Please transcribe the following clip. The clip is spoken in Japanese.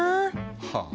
はあ。